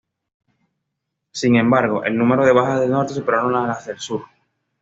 Sin embargo, el número de bajas del Norte superaron a las del Sur.